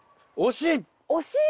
惜しい！